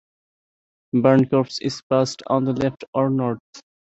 Barn copse is passed on the left or north.